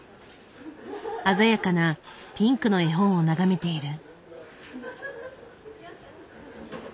鮮やかなピンクの絵本を眺めている。